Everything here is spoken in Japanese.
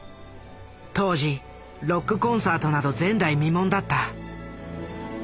当時ロックコンサートなど前代未聞だった。